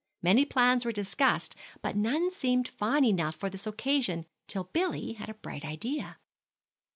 Many plans were discussed, but none seemed fine enough for this occasion till Billy had a bright idea.